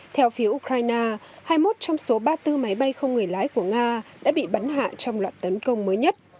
theo phía ukraine hai mươi một trong số ba mươi bốn máy bay không người lái của nga đã bị bắn hạ trong loạt tấn công mới nhất